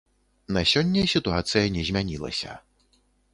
На сёння сітуацыя не змянілася.